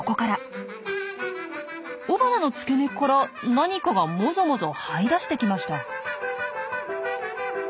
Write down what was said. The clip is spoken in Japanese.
雄花の付け根から何かがもぞもぞはい出してきました。